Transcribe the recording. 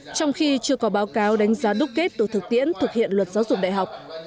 trong khi chưa có báo cáo đánh giá đúc kết từ thực tiễn thực hiện luật giáo dục đại học